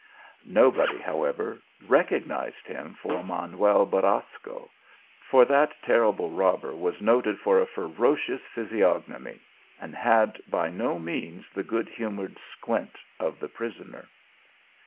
Nobody, how ever, recognized him for Manuel Borasco, for that terrible robber was noted for a ferocious physiog nomy, and had by no means the good humoured squint of the prisoner.